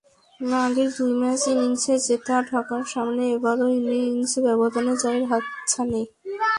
আগের দুই ম্যাচ ইনিংসে জেতা ঢাকার সামনে এবারও ইনিংস ব্যবধানে জয়ের হাতছানি।